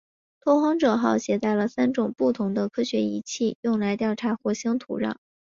拓荒者号携带了三种不同的科学仪器用来调查火星土壤。